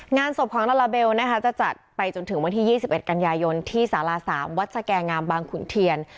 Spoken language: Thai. งานศพของลาลาเบลนะคะจะจัดไปจนถึงวันที่๒๑กันยายนที่สารา๓วัดสแก่งามบางขุนเทียน